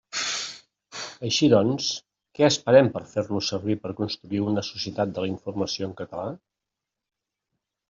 Així doncs, què esperem per fer-los servir per construir una societat de la informació en català?